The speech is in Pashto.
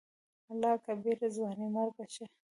الله کبيره !ځواني مرګ شې.